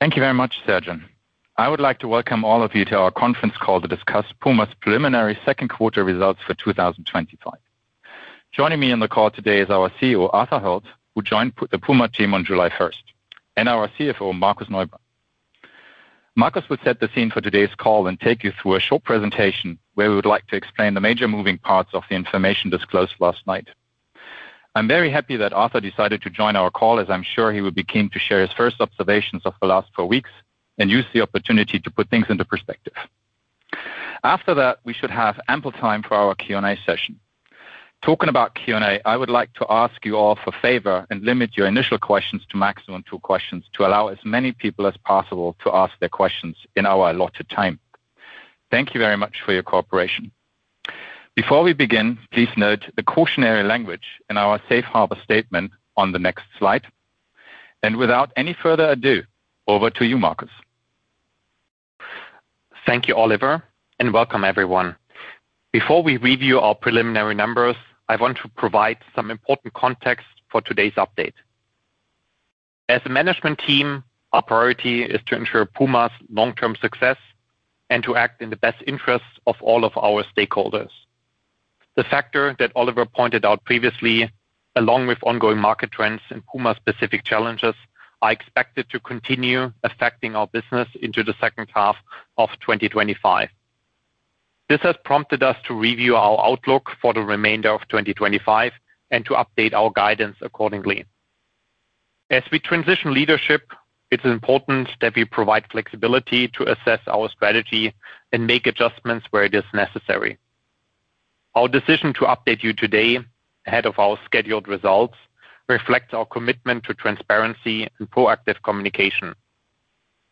Thank you very much, Sergin. I would like to welcome all of you to our conference call to discuss Puma's preliminary second quarter results for 2025. Joining me on the call today is our CEO, Arthur Hult, who joined the Puma team on July 1 and our CFO, Markus Neuber. Markus will set the scene for today's call and take you through a short presentation where we would like to explain the major moving parts of the information disclosed last night. I'm very happy that Arthur decided to join our call as I'm sure he will be keen to share his first observations of the last four weeks and use the opportunity to put things into perspective. After that, we should have ample time for our Q and A session. Talking about Q and A, I would like to ask you all for favor and limit your initial questions to maximum two questions to allow as many people as possible to ask their questions in our allotted time. Thank you very much for your cooperation. Before we begin, please note the cautionary language in our Safe Harbor statement on the next slide. And without any further ado, over to you, Markus. Thank you, Oliver, and welcome, everyone. Before we review our preliminary numbers, I want to provide some important context for today's update. As a management team, our priority is to ensure Puma's long term success and to act in the best interest of all of our stakeholders. The factor that Oliver pointed out previously, along with ongoing market trends and Puma specific challenges, are expected to continue affecting our business into the 2025. This has prompted us to review our outlook for the remainder of 2025 and to update our guidance accordingly. As we transition leadership, it's important that we provide flexibility to assess our strategy and make adjustments where it is necessary. Our decision to update you today ahead of our scheduled results reflects our commitment to transparency and proactive communication.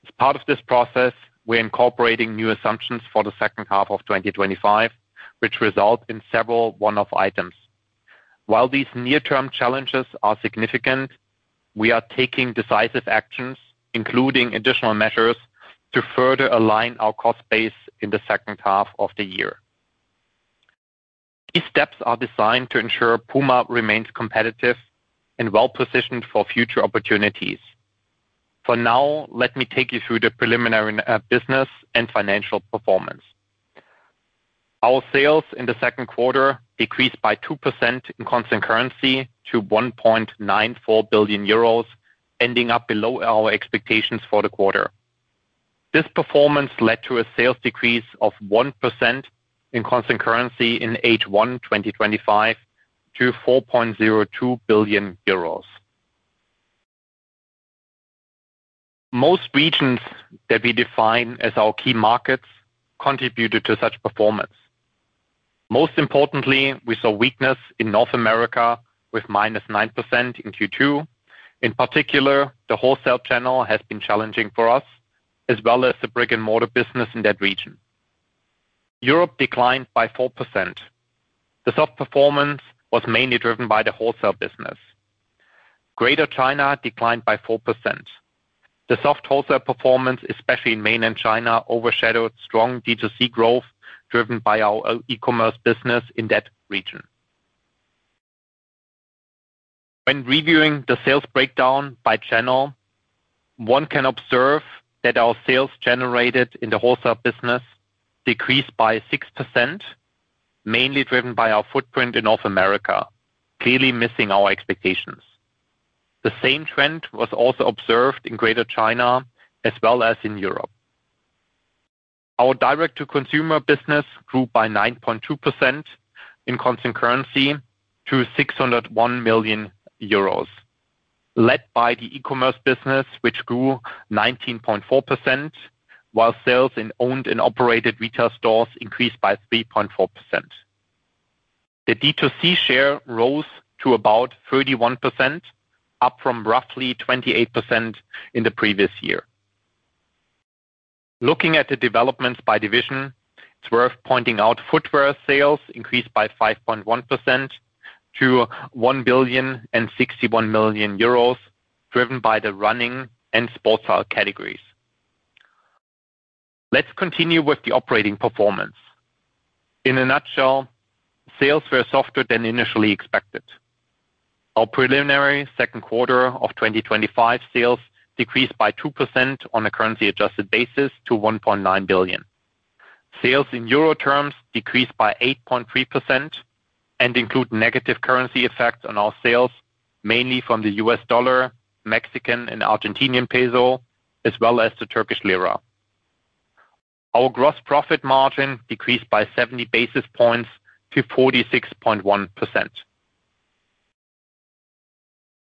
As part of this process, we're incorporating new assumptions for the 2025, which result in several one off items. While these near term challenges are significant, we are taking decisive actions, including additional measures to further align our cost base in the second half of the year. These steps are designed to ensure Puma remains competitive and well positioned for future opportunities. For now, let me take you through the preliminary business and financial performance. Our sales in the second quarter decreased by 2% in constant currency to €1,940,000,000 ending up below our expectations for the quarter. This performance led to a sales decrease of 1% in constant currency in H1 twenty twenty five to €4,020,000,000 Most regions that we define as our key markets contributed to such performance. Most importantly, we saw weakness in North America with minus 9% in Q2. In particular, the wholesale channel has been challenging for us as well as the brick and mortar business in that region. Europe declined by 4%. The soft performance was mainly driven by the wholesale business. Greater China declined by 4%. The soft wholesale performance, especially in Mainland China, overshadowed strong DTC growth driven by our e commerce business in that region. When reviewing the sales breakdown by channel, one can observe that our sales generated in the wholesale business decreased by 6%, mainly driven by our footprint in North America, clearly missing our expectations. The same trend was also observed in Greater China as well as in Europe. Our direct to consumer business grew by 9.2% in constant currency to $6.00 €1,000,000 led by the e commerce business, which grew 19.4%, while sales in owned and operated retail stores increased by 3.4%. The D2C share rose to about 31%, up from roughly 28% in the previous year. Looking at the developments by division, it's worth pointing out footwear sales increased by 5.1% to 1,061,000,000 driven by the running and sports car categories. Let's continue with the operating performance. In a nutshell, sales were softer than initially expected. Our preliminary 2025 sales decreased by 2% on a currency adjusted basis to $1,900,000,000 Sales in euro terms decreased by 8.3% and include negative currency effects on our sales, mainly from the U. S. Dollar, Mexican and Argentinian peso as well as the Turkish lira. Our gross profit margin decreased by 70 basis points to 46.1%.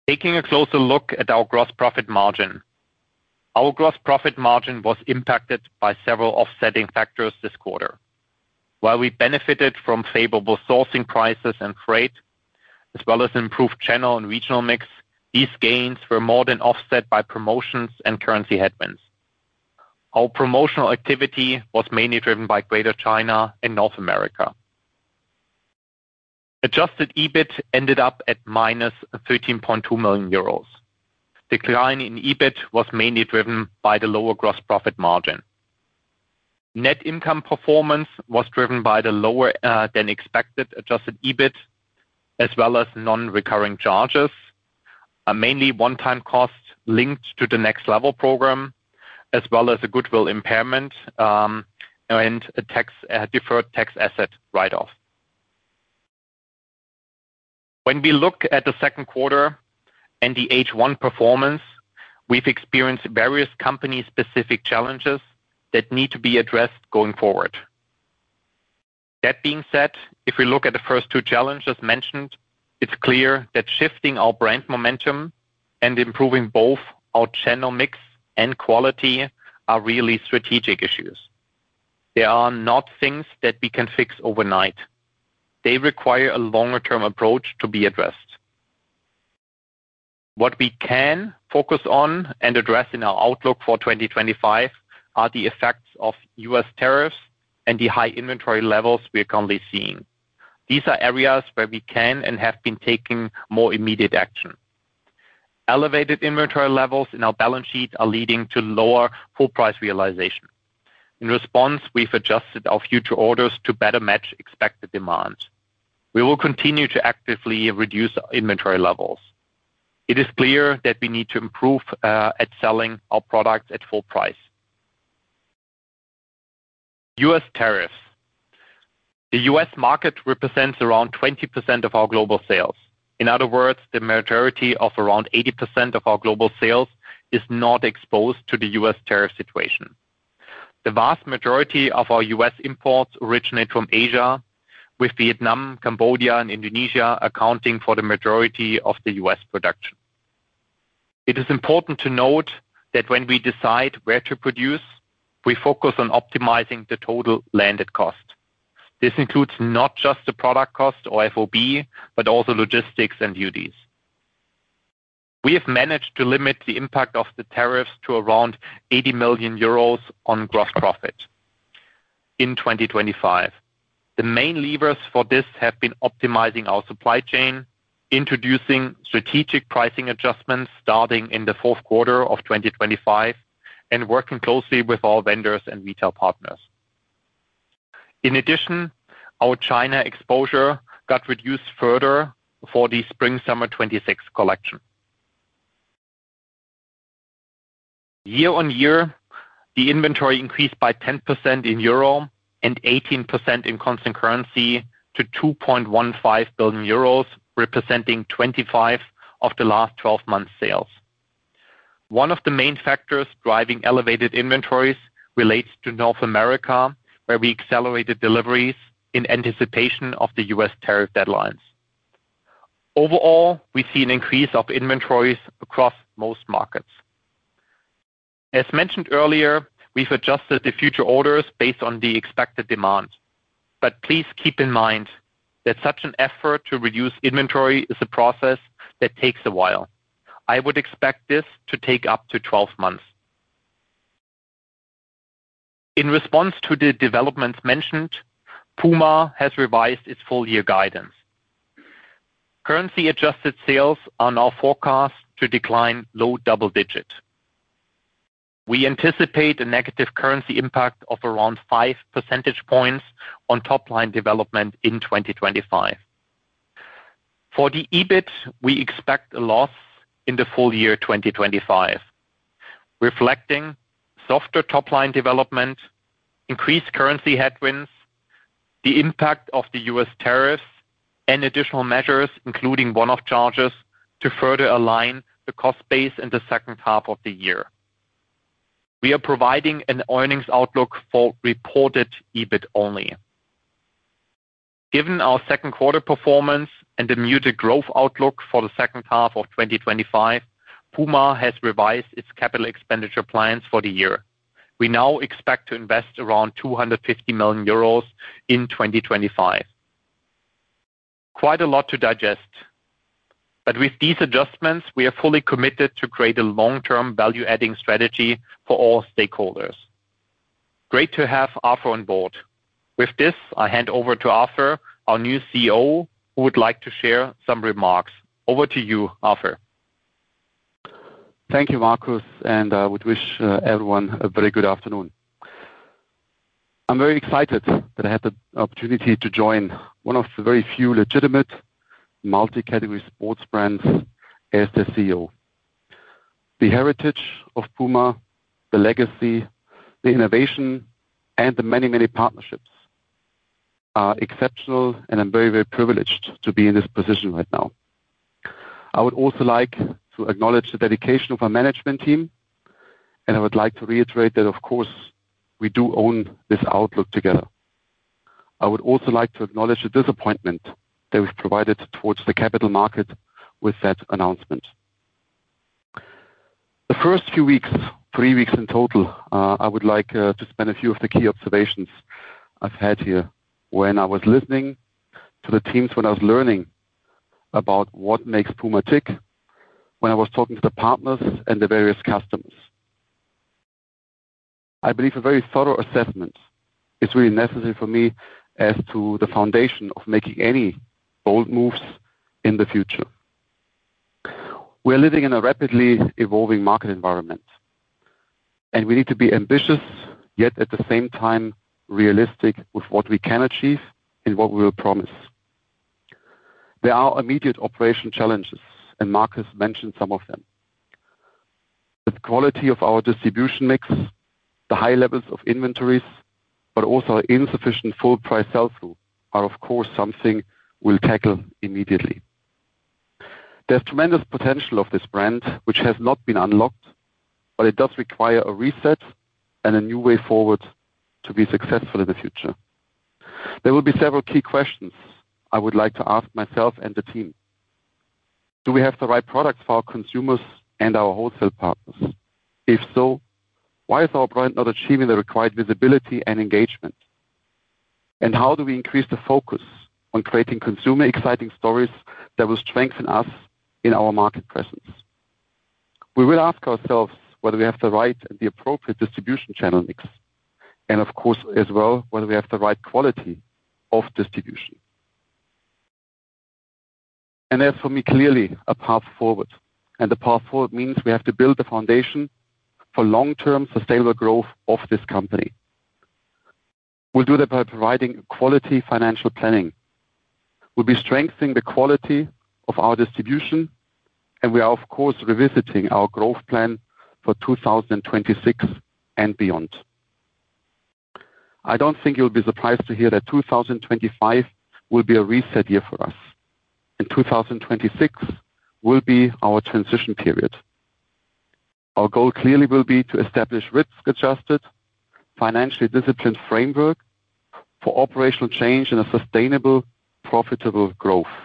Taking a closer look at our gross profit margin. Our gross profit margin was impacted by several offsetting factors this quarter. While we benefited from favorable sourcing prices and freight as well as improved channel and regional mix, these gains were more than offset by promotions and currency headwinds. Our promotional activity was mainly driven by Greater China and North America. Adjusted EBIT ended up at minus €13,200,000 Decline in EBIT was mainly driven by the lower gross profit margin. Net income performance was driven by the lower than expected adjusted EBIT as well as nonrecurring charges, mainly onetime costs linked to the next level program as well as a goodwill impairment and a deferred tax asset write off. When we look at the second quarter and the H1 performance, we've experienced various company specific challenges that need to be addressed going forward. That being said, if we look at the first two challenges mentioned, it's clear that shifting our brand momentum and improving both our channel mix and quality are really strategic issues. They are not things that we can fix overnight. They require a longer term approach to be addressed. What we can focus on and address in our outlook for 2025 are the effects of U. S. Tariffs and the high inventory levels we are currently seeing. These are areas where we can and have been taking more immediate action. Elevated inventory levels in our balance sheet are leading to lower full price realization. In response, we've adjusted our future orders to better match expected demand. We will continue to actively reduce inventory levels. It is clear that we need to improve at selling our products at full price. U. S. Tariffs. The U. S. Market represents around 20% of our global sales. In other words, the majority of around 80% of our global sales is not exposed to The U. S. Tariff situation. The vast majority of our U. S. Imports originate from Asia, with Vietnam, Cambodia and Indonesia accounting for the majority of The U. S. Production. It is important to note that when we decide where to produce, we focus on optimizing the total landed cost. This includes not just the product cost, or FOB, but also logistics and duties. We have managed to limit the impact of the tariffs to around €80,000,000 on gross profit in 2025. The main levers for this have been optimizing our supply chain, introducing strategic pricing adjustments starting in the 2025 and working closely with our vendors and retail partners. In addition, our China exposure got reduced further for the SpringSummer twenty six collection. Year on year, the inventory increased by 10% in euro and 18% in constant currency to €2,150,000,000 representing 25 of the last twelve months sales. One of the main factors driving elevated inventories relates to North America, where we accelerated deliveries in anticipation of The U. S. Tariff deadlines. Overall, we see an increase of inventories across most markets. As mentioned earlier, we've adjusted the future orders based on the expected demand. But please keep in mind that such an effort to reduce inventory is a process that takes a while. I would expect this to take up to twelve months. In response to the developments mentioned, Puma has revised its full year guidance. Currency adjusted sales are now forecast to decline low double digit. We anticipate a negative currency impact of around five percentage points on top line development in 2025. For the EBIT, we expect a loss in the full year 2025, reflecting softer top line development, increased currency headwinds, the impact of The U. S. Tariffs and additional measures, including one off charges to further align the cost base in the second half of the year. We are providing an earnings outlook for reported EBIT only. Given our second quarter performance and the muted growth outlook for the 2025, Puma has revised its capital expenditure plans for the year. We now expect to invest around €250,000,000 in 2025. Quite a lot to digest. But with these adjustments, we are fully committed to create a long term value adding strategy for all stakeholders. Great to have Afur on board. With this, I hand over to Afur, our new CEO, who would like to share some remarks. Over to you, Afer. Thank you, Markus, and I would wish everyone a very good afternoon. I'm very excited that I had the opportunity to join one of the very few legitimate multi category sports brands as their CEO. The heritage of Puma, the legacy, the innovation and the many, many partnerships are exceptional, and I'm very, very privileged to be in this position right now. I would also like to acknowledge the dedication of our management team, and I would like to reiterate that, of course, we do own this outlook together. I would also like to acknowledge the disappointment that we've provided towards the capital market with that announcement. The first few weeks, three weeks in total, I would like to spend a few of the key observations I've had here when I was listening to the teams, when I was learning about what makes Puma tick, when I was talking to the partners and the various customers. I believe a very thorough assessment is really necessary for me as to the foundation of making any bold moves in the future. We are living in a rapidly evolving market environment. And we need to be ambitious, yet at the same time, realistic with what we can achieve and what we will promise. There are immediate operational challenges, and Markus mentioned some of them. The quality of our distribution mix, the high levels of inventories, but also insufficient full price sell through are, of course, something we'll tackle immediately. There's tremendous potential of this brand, which has not been unlocked, but it does require a reset and a new way forward to be successful in the future. There will be several key questions I would like to ask myself and the team. Do we have the right products for our consumers and our wholesale partners? If so, why is our brand not achieving the required visibility and engagement? And how do we increase the focus on creating consumer exciting stories that will strengthen us in our market presence? We will ask ourselves whether we have the right and the appropriate distribution channel mix and of course, as well, whether we have the right quality of distribution. And that's for me clearly a path forward. And the path forward means we have to build the foundation for long term sustainable growth of this company. We'll do that by providing quality financial planning. We'll be strengthening the quality of our distribution. And we are, of course, revisiting our growth plan for 2026 and beyond. I don't think you'll be surprised to hear that 2025 will be a reset year for us, and 2026 will be our transition period. Our goal clearly will be to establish risk adjusted, financially disciplined framework for operational change and a sustainable, profitable growth.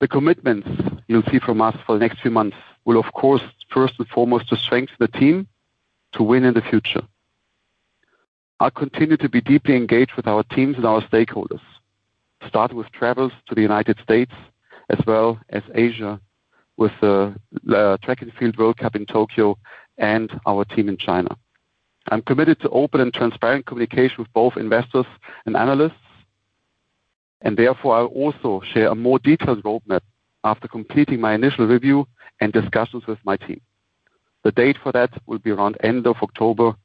The commitments you'll see from us for the next few months will, of course, first and foremost, to strengthen the team to win in the future. I'll continue to be deeply engaged with our teams and our stakeholders, starting with travels to The United States as well as Asia with the Track and Field World Cup in Tokyo and our team in China. I'm committed to open and transparent communication with both investors and analysts. And therefore, I'll also share a more detailed road map after completing my initial review and discussions with my team. The date for that will be around October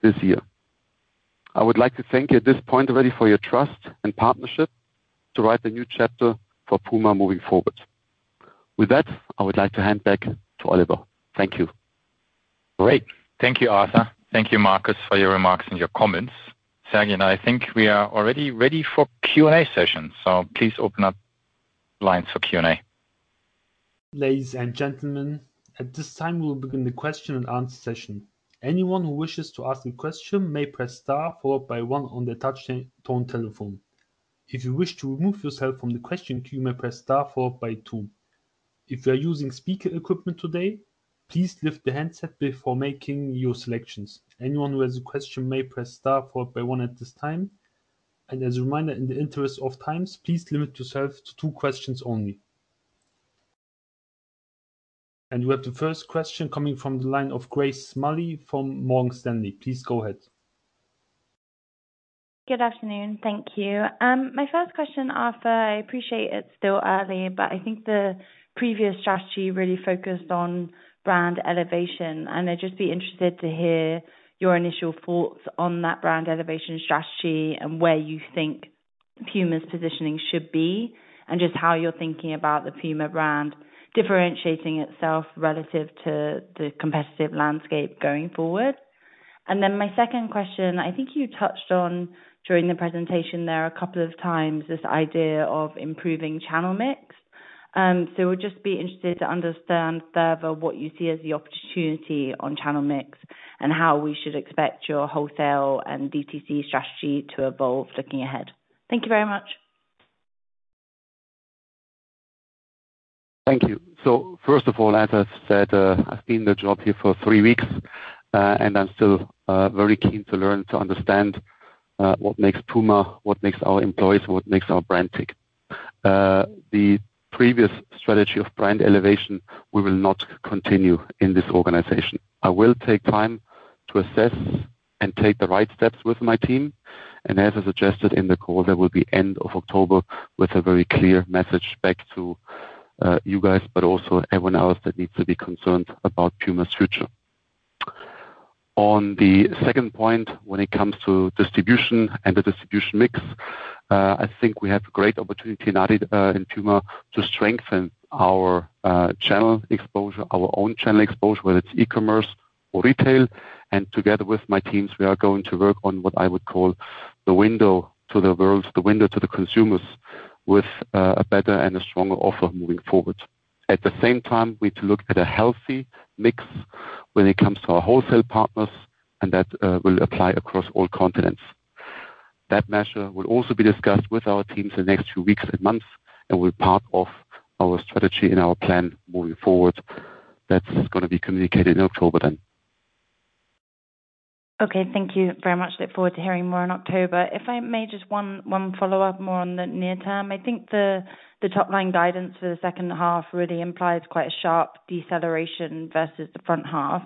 this year. I would like to thank you at this point already for your trust and partnership to write the new chapter for Puma moving forward. With that, I would like to hand back to Oliver. Thank you. Great. Thank you, Arthur. Thank you, Markus, for your remarks and your comments. Sergey and I think we are already ready for Q and A session. So please open up lines for Q If you wish to remove yourself from the question queue, you may press star followed by 2. If you are using speaker equipment today, please lift the handset before making your selections. Anyone who has a question may press star followed by 1 at this time. And we have the first question coming from the line of Grace Mulli from Morgan Stanley. Please go ahead. My first question, Arthur, I appreciate it's still early, but I think the previous strategy really focused on brand elevation. And I'd just be interested to hear your initial thoughts on that brand elevation strategy and where you think Puma's positioning should be and just how you're thinking about the Puma brand differentiating itself relative to the competitive landscape going forward? And then my second question, I think you touched on during the presentation there a couple of times this idea of improving channel mix. So we'd just be interested to understand further what you see as the opportunity on channel mix and how we should expect your wholesale and DTC strategy to evolve looking ahead? Thank very much. Thank you. So first of all, as I've said, I've been in the job here for three weeks, and I'm still very keen to learn to understand what makes Puma, what makes our employees, what makes our brand tick. The previous strategy of brand elevation, we will not continue in this organization. I will take time to assess and take the right steps with my team. And as I suggested in the call, that will be October with a very clear message back to you guys, but also everyone else that needs to be concerned about Puma's future. On the second point, when it comes to distribution and the distribution mix, I think we have a great opportunity in Puma to strengthen our channel exposure, our own channel exposure, whether it's e commerce or retail. And together with my teams, we are going to work on what I would call the window to the world, the window to the consumers with a better and a stronger offer moving forward. At the same time, we need to look at a healthy mix when it comes to our wholesale partners, and that will apply across all continents. That measure will also be discussed with our teams in next few weeks and months and will be part of our strategy and our plan moving forward. That's going to be communicated in October then. Thank you very much. Look forward to hearing more in October. If I may, just one follow-up more on the near term. I think the top line guidance for the second half really implies quite a sharp deceleration versus the front half.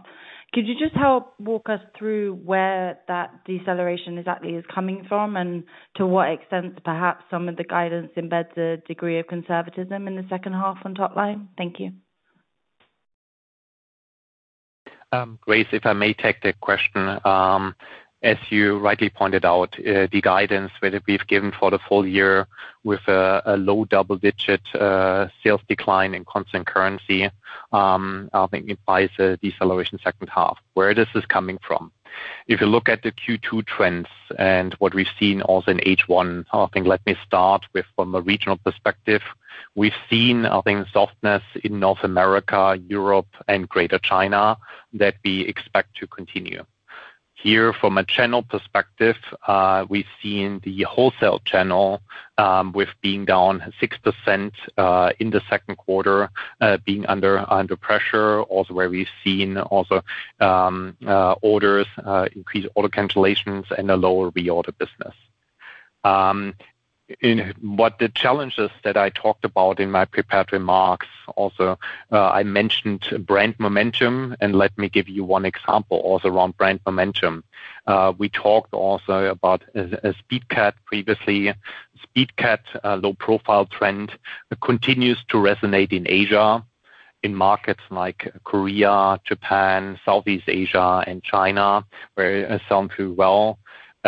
Could you just help walk us through where that deceleration exactly is coming from? And to what extent perhaps some of the guidance embeds a degree of conservatism in the second half on top line? Grace, if I may take that question. As you rightly pointed out, the guidance whether we've given for the full year with a low double digit sales decline in constant currency, I think, implies a deceleration second half. Where this is coming from? If you look at the Q2 trends and what we've seen also in H1, I think, me start with from a regional perspective. We've seen, I think, softness in North America, Europe and Greater China that we expect to continue. Here, from a channel perspective, we've seen the wholesale channel with being down 6% in the second quarter, being under pressure, also where we've seen also orders increased order cancellations and a lower reorder business. What the challenges that I talked about in my prepared remarks also, I mentioned brand momentum, and let me give you one example also around brand momentum. We talked also about Speedcat previously. Speedcat low profile trend continues to resonate in Asia, in markets like Korea, Japan, Southeast Asia and China, where it sounds very well.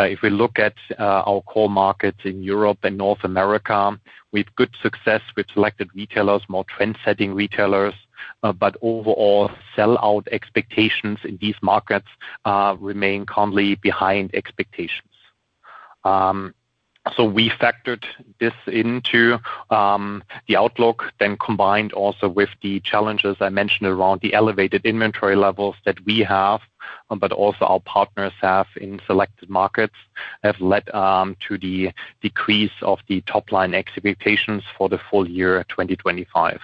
If we look at our core markets in Europe and North America, we've good success with selected retailers, more trend setting retailers. But overall, sellout expectations in these markets remain calmly behind expectations. So we factored this into the outlook, then combined also with the challenges I mentioned around the elevated inventory levels that we have, but also our partners have in selected markets have led to the decrease of the top line expectations for the full year 2025.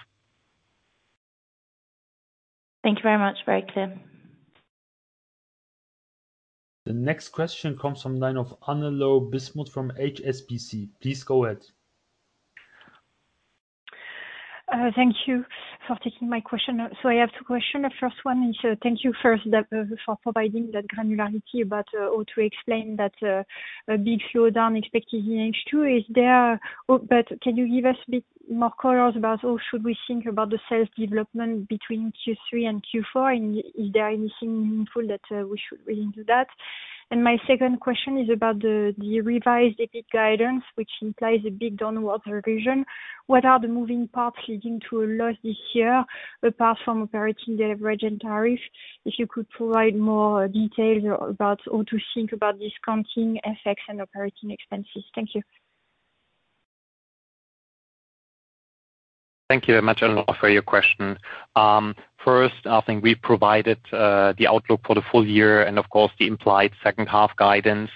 The next question comes from the line of Anelo Bismuth from HSBC. So I have two questions. The first one is thank you first for providing that granularity about how to explain that a big slowdown expected in H2. Is there but can you give us a bit more color about how should we think about the sales development between Q3 and Q4? And is there anything meaningful that we should read into that? And my second question is about the revised EBIT guidance, which implies a big downward revision. What are the moving parts leading to a loss this year apart from operating leverage and tariffs? If you could provide more detail about how to think about discounting FX and operating expenses. Thank you very much, Helmut, for your question. First, I think we provided the outlook for the full year and, of course, the implied second half guidance.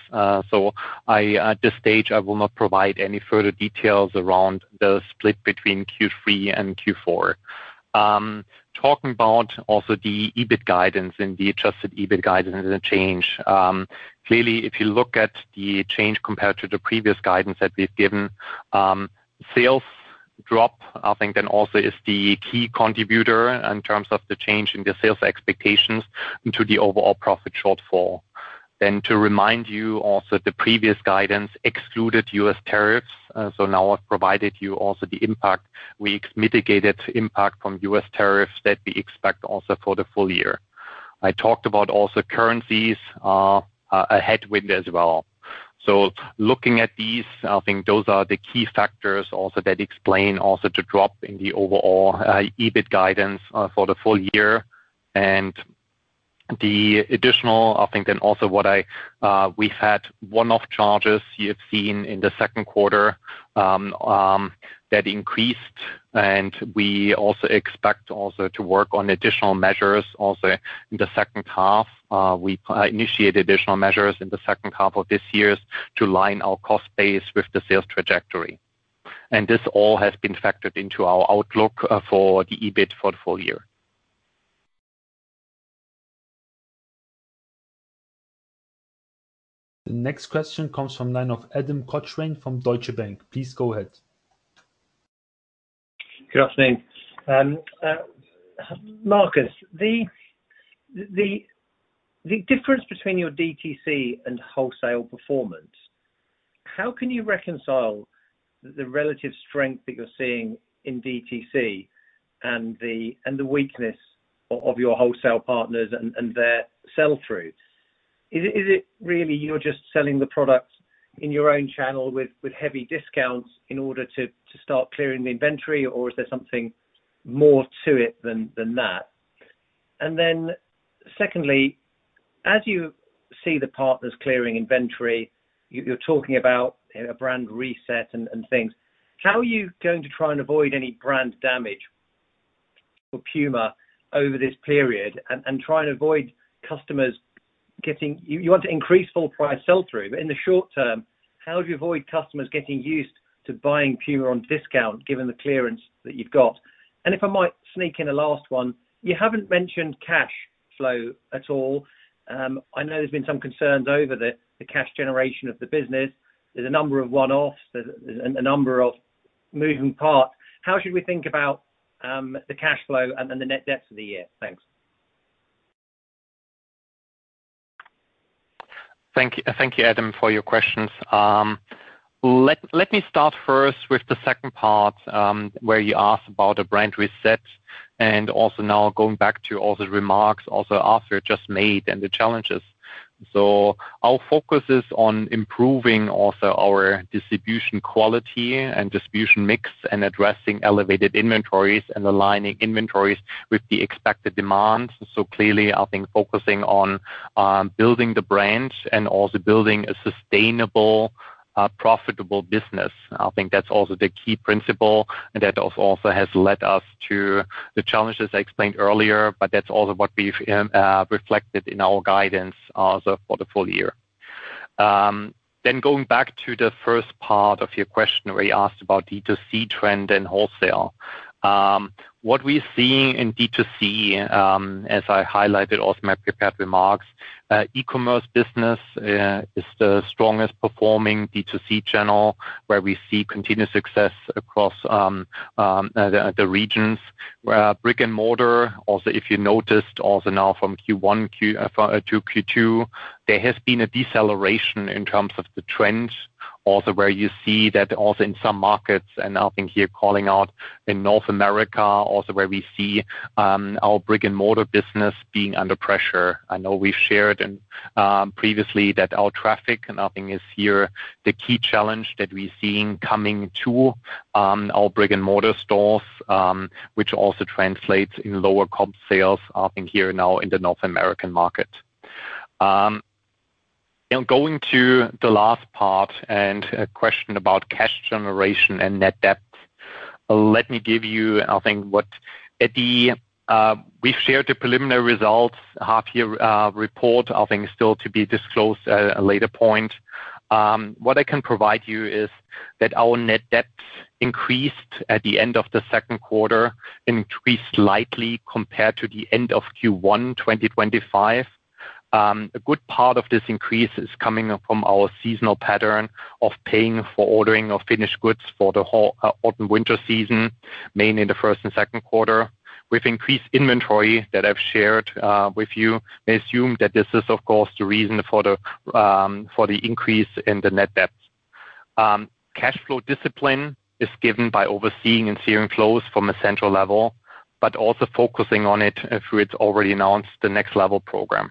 So I at this stage, I will not provide any further details around the split between Q3 and Q4. Talking about also the EBIT guidance and the adjusted EBIT guidance and the change. Clearly, if you look at the change compared to the previous guidance that we've given, Sales drop, I think, then also is the key contributor in terms of the change in the sales expectations into the overall profit shortfall. Then to remind you also the previous guidance excluded U. S. Tariffs. So now I've provided you also the impact. We mitigated impact from U. S. Tariffs that we expect also for the full year. I talked about also currencies, a headwind as well. So looking at these, I think those are the key factors also that explain also to drop in the overall EBIT guidance for the full year. And the additional, I think, and also what I we've had one off charges you have seen in the second quarter that increased. And we also expect also to work on additional measures also in the second half. We initiated additional measures in the second half of this year to align our cost base with the sales trajectory. And this all has been factored into our outlook for the EBIT for the full year. The next question comes from the line of Adam Kochrane from Deutsche Bank. Marcus, the difference between your DTC and wholesale performance, how can you reconcile the relative strength that you're seeing in DTC and the weakness of your wholesale partners and their sell through. Is it really you're just selling the products in your own channel with heavy discounts in order to start clearing the inventory? Or is there something more to it than that? And then secondly, as you see the partners clearing inventory, you're talking about a brand reset and things. How are you going to try and avoid any brand damage for Puma over this period and try and avoid customers getting you want to increase full price sell through. But in the short term, how do you avoid customers getting used to buying Puma on discount given the clearance that you've got? And if I might sneak in a last one, you haven't mentioned cash flow at all. I know there's been some concerns over the cash generation of the business. There's a number of one offs and a number of moving parts. How should we think about the cash flow and the net debt for the year? Thanks. Thank you, Adam, for your questions. Let me start first with the second part where you asked about the brand reset and also now going back to also remarks also Arthur just made and the challenges. So our focus is on improving also our distribution quality and distribution mix and addressing elevated inventories and aligning inventories with the expected demand. So clearly, I think focusing on building the brands and also building a sustainable, profitable business. I think that's also the key principle and that also has led us to the challenges I explained earlier, but that's also what we've reflected in our guidance also for the full year. Then going back to the first part of your question where you asked about DTC trend in wholesale. What we're seeing in DTC, as I highlighted also in my prepared remarks, e commerce business is the strongest performing B2C channel where we see continued success across regions. Brick and mortar, also if you noticed also now from Q1 to Q2, there has been a deceleration in terms of the trends also where you see that also in some markets, and I think you're calling out in North America, also where we see our brick and mortar business being under pressure. I know we've shared previously that our traffic and I think this year, the key challenge that we're seeing coming to our brick and mortar stores, which also translates in lower comp sales, I think, here now in the North American market. And going to the last part and a question about cash generation and net debt, let me give you, I think, what at the we've shared the preliminary results half year report, I think, still to be disclosed at a later point. What I can provide you is that our net debt increased at the end of the second quarter, increased slightly compared to the 2025. A good part of this increase is coming from our seasonal pattern of paying for ordering of finished goods for the whole autumnwinter season, mainly in the first and second quarter. We've increased inventory that I've shared with you. I assume that this is, of course, the reason for the increase in the net debt. Cash flow discipline is given by overseeing and searing flows from a central level, but also focusing on it through its already announced the next level program.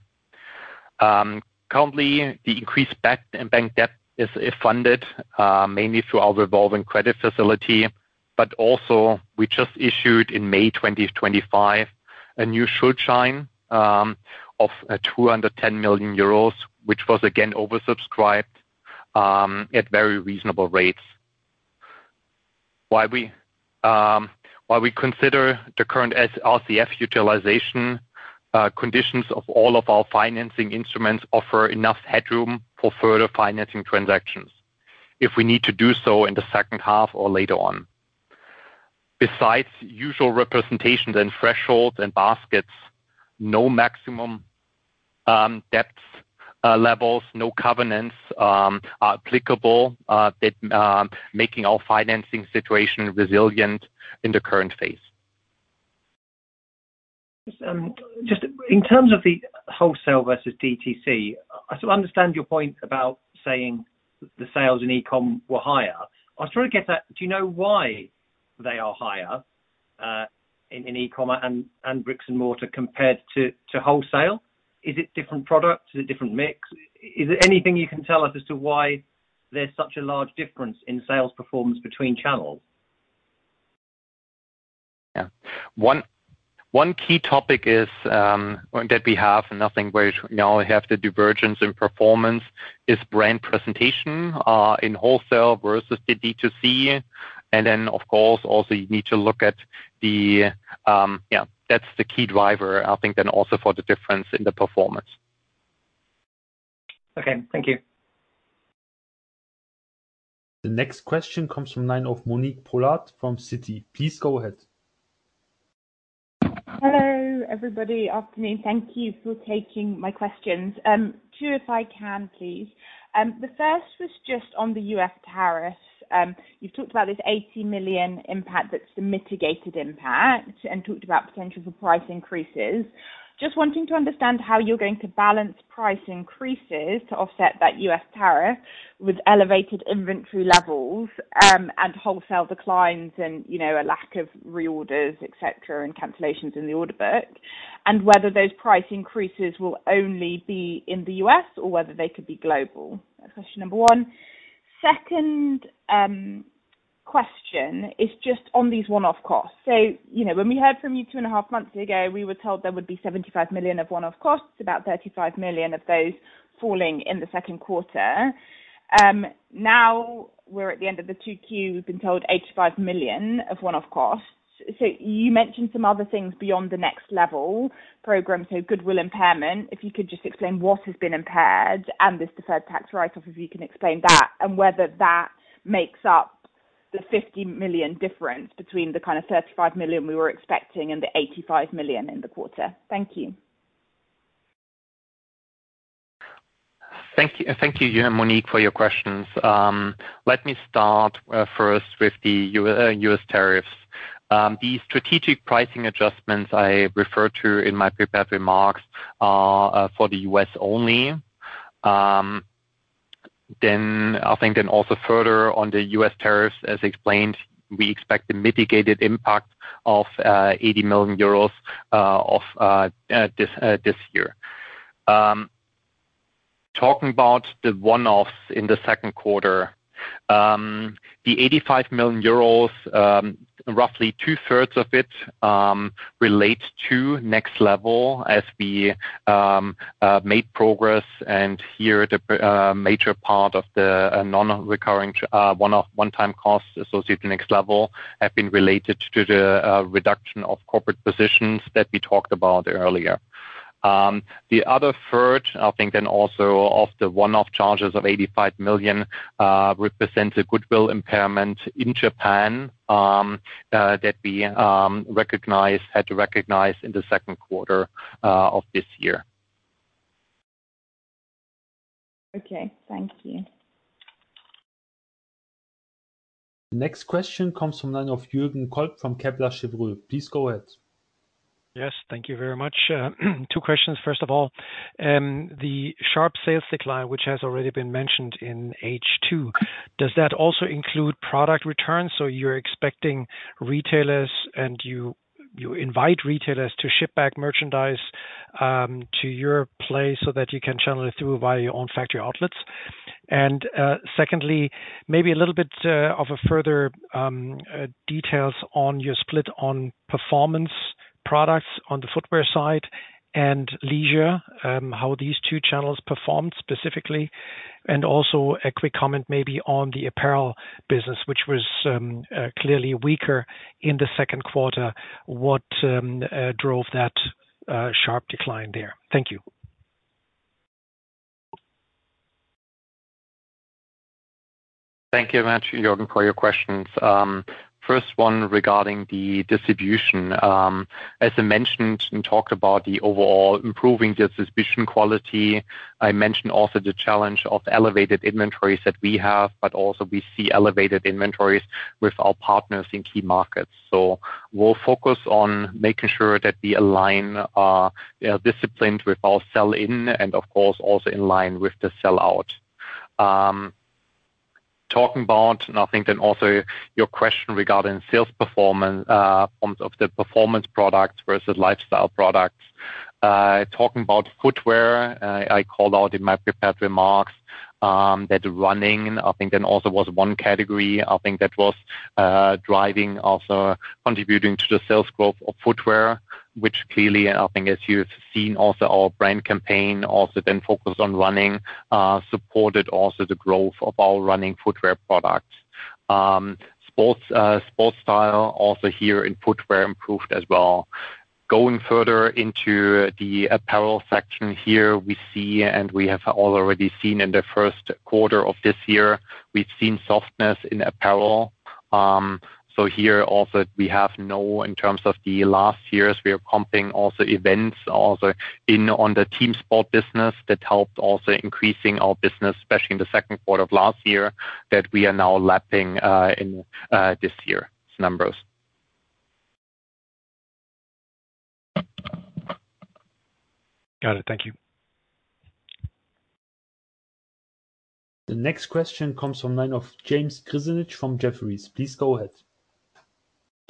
Currently, the increased bank debt is funded mainly through our revolving credit facility. But also, we just issued in May 2025 a new Schuldschein of €210,000,000 which was again oversubscribed at very reasonable rates. While we consider the current SRCF utilization conditions of all of our financing instruments offer enough headroom for further financing transactions, if we need to do so in the second half or later on. Besides usual representations and thresholds and baskets, no maximum debt levels, no covenants are applicable, making our financing situation resilient in the current phase. Just in terms of the wholesale versus DTC, I sort of understand your point about saying the sales in ecom were higher. I was trying to get that do you know why they are higher in e commerce and bricks and mortar compared to wholesale? Is it different products? Is it different mix? Is there anything you can tell us as to why there's such a large difference in sales performance between channels? Yes. One key topic is that we have, and I think we now have the divergence in performance, is brand presentation in wholesale versus the DTC. And then, of course, also you need to look at the yes, that's the key driver, I think, then also for the difference in the performance. The next question comes from the line of Monique Polard from Citi. Two, if I can, please. The first was just on The U. S. Tariffs. You've talked about this 80,000,000 impact that's the mitigated impact and talked about potential for price increases. Just wanting to understand how you're going to balance price increases to offset that U. S. Tariff with elevated inventory levels and wholesale declines and a lack of reorders, etcetera, and cancellations in the order book. And whether those price increases will only be in The U. S. Or whether they could be global? That's question number one. Second question is just on these one off costs. So when we heard from you two point five months ago, we were told there would be €75,000,000 of one off costs, about €35,000,000 of those falling in the second quarter. Now we're at the end of the 2Q, we've been told €85,000,000 of one off costs. So you mentioned some other things beyond the next level program, so goodwill impairment. If you could just explain what has been impaired and this deferred tax write off, if you can explain that and whether that makes up the €50,000,000 difference between the kind of €35,000,000 we were expecting and the €85,000,000 in the quarter? Thank you, Johan, Monique, for your questions. Let me start first with The U. S. Tariffs. The strategic pricing adjustments I referred to in my prepared remarks are for The U. S. Only. Then I think then also further on The U. S. Tariffs, as explained, we expect the mitigated impact of €80,000,000 of this year. Talking about the one offs in the second quarter, the €85,000,000 roughly twothree of it relates to next level as we made progress. And here, the major part of the nonrecurring onetime costs associated to next level have been related to the reduction of corporate positions that we talked about earlier. The other third, I think then also of the one off charges of €85,000,000 represents a goodwill impairment in Japan that we recognized had to recognize in the second quarter of this year. Next question comes from the line of Jurgen Kolb from Kepler Cheuvreux. Two questions. First of all, the sharp sales decline, which has already been mentioned in H2, does that also include product returns? So you're expecting retailers and you invite retailers to ship back merchandise to your place so that you can channel it through via your own factory outlets? And secondly, maybe a little bit of a further details on your split on performance products on the footwear side and leisure, how these two channels performed specifically? And also a quick comment maybe on the apparel business, which was clearly weaker in the second quarter. What drove that sharp decline there? Thank you. Thank you, Jochen, for your questions. First one regarding the distribution. As I mentioned and talked about the overall improving the distribution quality, I mentioned also the challenge of elevated inventories that we have, but also we see elevated inventories with our partners in key markets. So we'll focus on making sure that we align disciplined with our sell in and of course, also in line with the sell out. Talking about nothing and also your question regarding sales performance of the performance products versus lifestyle products. Talking about footwear, I called out in my prepared remarks that running, I think then also was one category, I think that was driving also contributing to the sales growth of footwear, which clearly, I think, as you've seen also our brand campaign also then focused on running, supported also the growth of our running footwear products. Sports style also here in footwear improved as well. Going further into the apparel section here, we see and we have already seen in the first quarter of this year, we've seen softness in apparel. So here, also, we have no in terms of the last year's, we are pumping also events also in on the team sport business that helped also increasing our business, especially in the second quarter of last year that we are now lapping in this year's numbers. The next question comes from the line of James Krzynach from Jefferies. Please go ahead.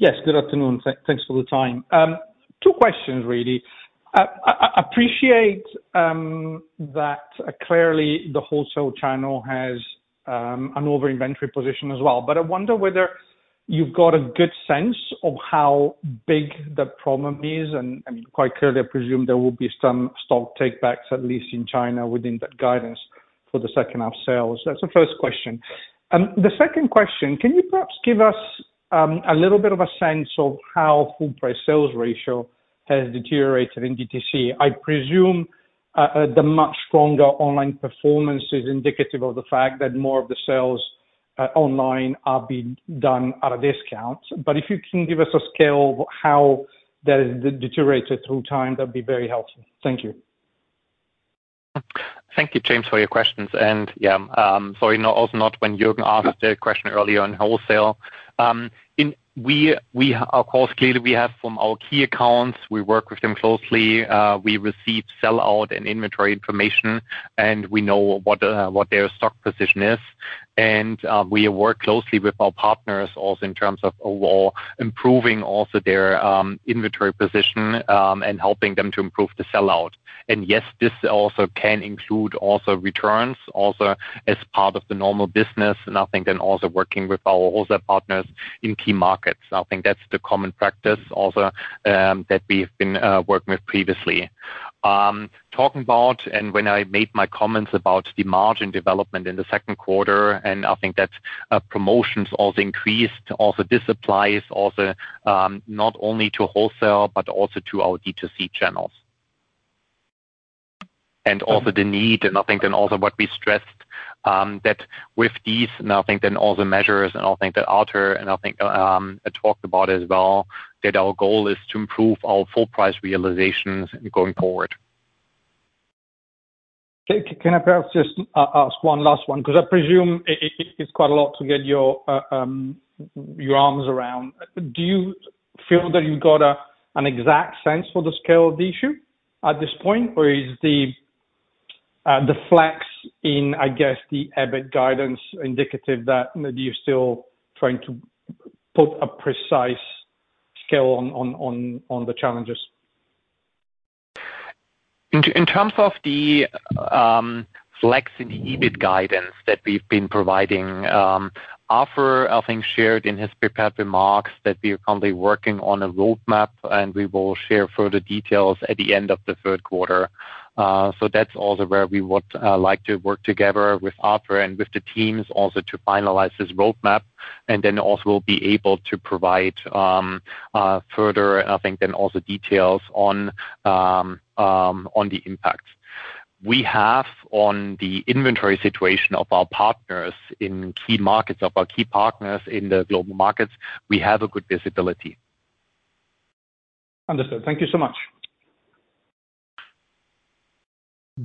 Yes. Good afternoon. Thanks for the time. Two questions, really. I appreciate that clearly the wholesale channel has an over inventory position as well. But I wonder whether you've got a good sense of how big the problem is and quite clearly I presume there will be some stock take backs at least in China within that guidance for the second half sales? That's the first question. The second question, can you perhaps give us a little bit of a sense of how full price sales ratio has deteriorated in DTC? I presume the much stronger online performance is indicative of the fact that more of the sales online are being done at a discount. But if you can give us a scale of how that has deteriorated through time, that would be very helpful. Thank you, James, for your questions. And yes, sorry, also not when Jurgen asked the question earlier on wholesale. Of course, clearly, we have from our key accounts, we work with them closely. We receive sellout and inventory information, and we know what their stock position is. And we work closely with our partners also in terms of overall improving also their inventory position and helping them to improve the sellout. And yes, this also can include also returns also as part of the normal business. And I think then also working with our wholesale partners in key markets. I think that's the common practice also that we've been working with previously. Talking about and when I made my comments about the margin development in the second quarter, and I think that promotions also increased also this applies also not only to wholesale, but also to our DTC channels. And also the need and I think then also what we stressed that with these and I think then all the measures and I think that Arthur and I think I talked about as well that our goal is to improve our full price realizations going forward. Can I perhaps just ask one last one? Because I presume it's quite a lot to get your arms around. Do you feel that you've got an exact sense for the scale of the issue at this point? Or is the flex in, I guess, the EBIT guidance indicative that you're still trying to put a precise scale on the challenges? In terms of the Flex in the EBIT guidance that we've been providing, Afur, I think, shared in his prepared remarks that we are currently working on a road map, and we will share further details at the end of the third quarter. So that's also where we would like to work together with Arthur and with the teams also to finalize this road map. And then also, we'll be able to provide further, I think, then also details on the impact. We have on the inventory situation of our partners in key markets of our key partners in the global markets, we have a good visibility.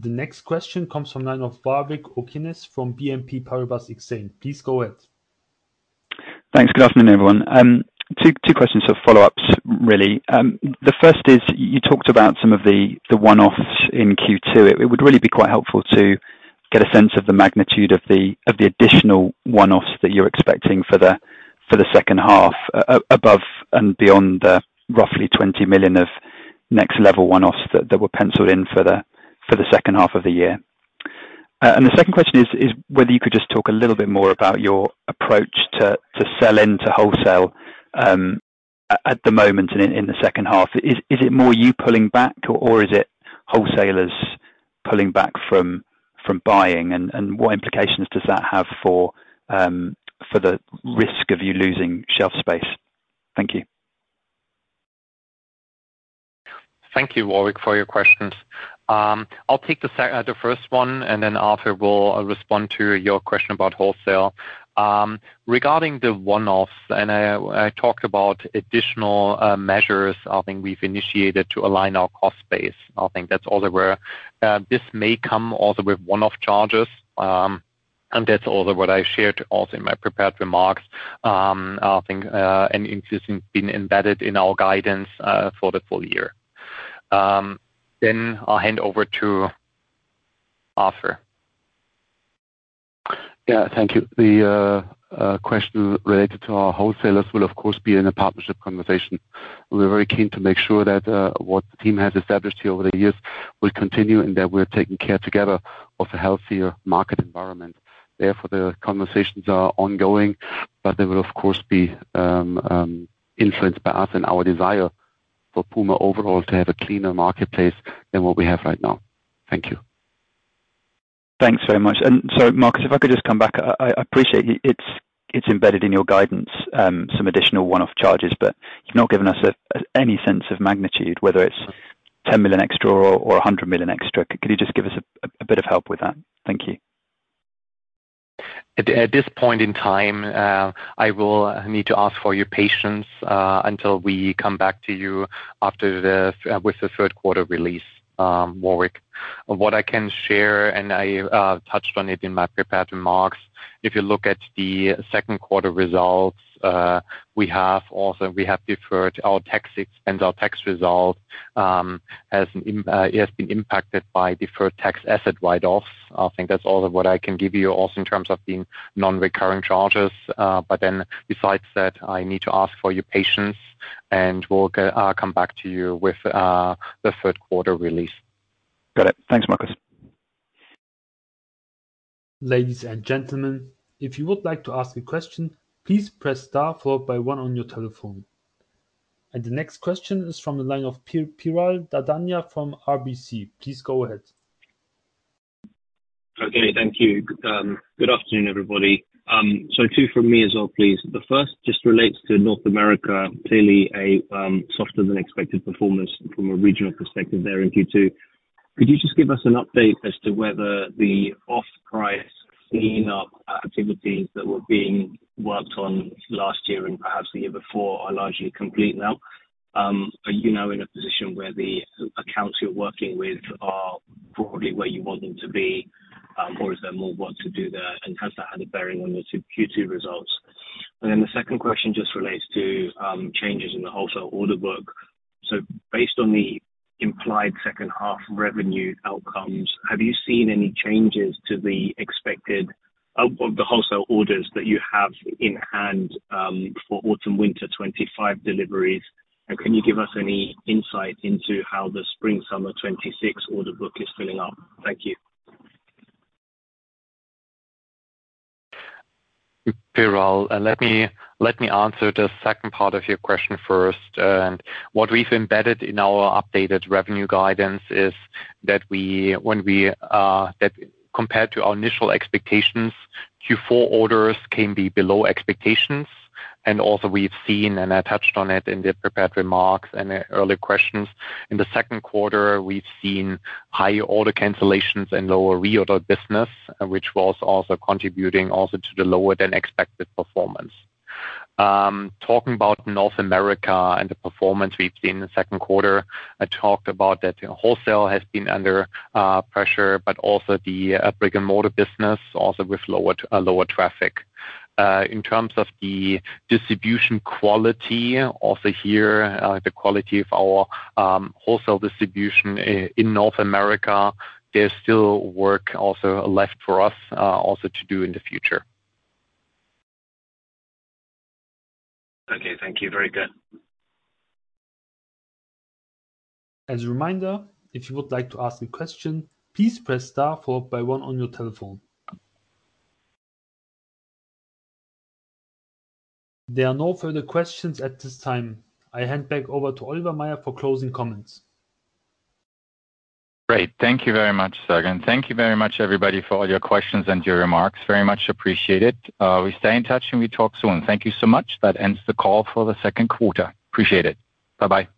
The next question comes from the line of Warwick Okines from BNP Paribas Xaine. Two questions of follow ups, really. The first is you talked about some of the one offs in Q2. It would really be quite helpful to get a sense of the magnitude of the additional one offs that you're expecting for the second half above and beyond the roughly €20,000,000 of next level one offs that were penciled in for the second half of the year? And the second question is whether you could just talk a little bit more about your approach to sell into wholesale at the moment in the second half. Is it more you pulling back? Or is it wholesalers pulling back from buying? And what implications does that have for the risk of you losing shelf space? You, Warwick, for your questions. I'll take the first one, and then Arthur will respond to your question about wholesale. Regarding the one offs, and I talked about additional measures, I think, we've initiated to align our cost base. I think that's all there were. This may come also with one off charges, And that's also what I shared also in my prepared remarks. I think an increase has been embedded in our guidance for the full year. Then I'll hand over to Arthur. Yes. Thank you. The question related to our wholesalers will, of course, be in a partnership conversation. We're very keen to make sure that what the team has established here over the years will continue and that we're taking care together of a healthier market environment. Therefore, the conversations are ongoing, but they will, of course, be influenced by us and our desire for Puma overall to have a cleaner marketplace than what we have right now. Thanks very much. And so Marcus, if I could just come back, I appreciate it's embedded in your guidance, some additional one off charges, but you've not given us any sense of magnitude, whether it's €10,000,000 extra or €100,000,000 extra. Could you just give us a bit of help with that? Thank you. At this point in time, I will need to ask for your patience until we come back to you after the with the third quarter release, Warwick. What I can share, and I touched on it in my prepared remarks, if you look at the second quarter results, we have also we have deferred our tax expense. Our tax result has been impacted by deferred tax asset write offs. I think that's all of what I can give you also in terms of the nonrecurring charges. But then besides that, I need to ask for your patience, and we'll come back to you with the third quarter release. And the next question is from the line of Piral Dadanya from RBC. So two from me as well, please. The first just relates to North America, clearly a softer than expected performance from a regional perspective there in Q2. Could you just give us an update as to whether the off price cleanup activities that were being worked on last year and perhaps the year before are largely complete now? Are you now in a position where the accounts you're working with are broadly where you want them to be? Or is there more work to do there? And has that had a bearing on your Q2 results? And then the second question just relates to changes in the wholesale order book. So based on the implied second half revenue outcomes, have you seen any changes to the expected of the wholesale orders that you have in hand for AutumnWinter twenty five deliveries? And can you give us any insight into how the SpringSummer 'twenty six order book is filling up? Piral, let me answer the second part of your question first. What we've embedded in our updated revenue guidance is that we when we that compared to our initial expectations, Q4 orders can be below expectations. And also, we've seen, and I touched on it in the prepared remarks and in earlier questions, in the second quarter, we've seen higher order cancellations and lower reorder business, which was also contributing also to the lower than expected performance. Talking about North America and the performance we've seen in the second quarter, I talked about that wholesale has been under pressure, but also the brick and mortar business also with lower traffic. In terms of the distribution quality, also here, the quality of our wholesale distribution in North America, there's still work also left for us also to do in the future. There are no further questions at this time. I hand back over to Oliver Meyer for closing comments. Great. Thank you very much, Serge. And thank you very much, everybody, for all your questions and your remarks. Very much appreciated. We stay in touch, and we talk soon. Thank you so much. That ends the call for the second quarter. Appreciate it. Bye bye.